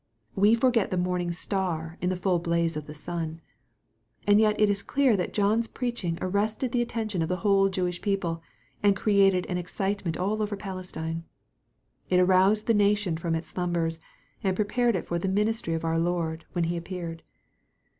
We forget the morning star in the full blaze of the Sun. And yet it is clear that John's preaching arrested the attention of the whole Jewish people, and created an excitement all over Palestine. It aroused the nation from its slumbers, and prepared it for the ministry of our Lord, when He appeared.